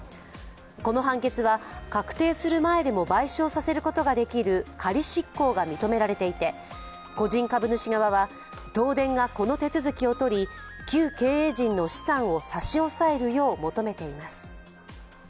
この判決は確定する前でも賠償させることができる仮執行が認められていて個人株主側は東電がこの手続きをとり、旧経営陣の資産を差し押さえるよう求めています。